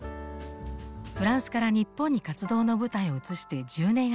フランスから日本に活動の舞台を移して１０年余り。